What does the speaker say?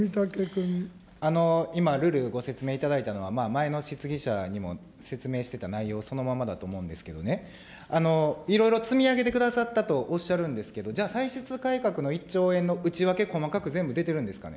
今、るるご説明いただいたのは、前の質疑者にも説明してた内容そのままだと思うんですけどね、いろいろ積み上げてくださったとおっしゃるんですけど、じゃあ、歳出改革の１兆円の内訳、細かく全部出てるんですかね。